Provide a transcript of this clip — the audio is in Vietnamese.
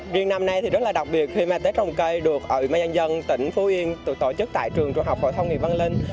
riêng năm nay thì rất là đặc biệt khi mà tết trồng cây được ủy ban nhân dân tỉnh phú yên tổ chức tại trường trung học phổ thông nguyễn văn linh